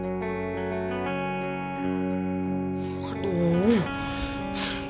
gak mungkin banget gue jual kit sahabat gue sendiri